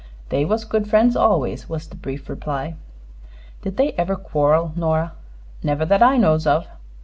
"They was good friends always," was the brief reply. "Did they ever quarrel, Nora?" "Never that I knows of."